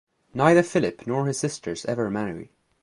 Neither Phillip nor his sisters ever marry.